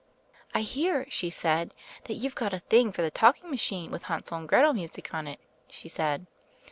'I hear,' she said, 'that you've got a thing for the talking machine with Hansel and Gretel music on it,' she said.